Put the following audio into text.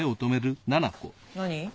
何？